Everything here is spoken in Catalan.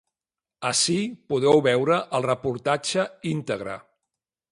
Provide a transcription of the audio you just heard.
Ací podeu veure el reportatge íntegre.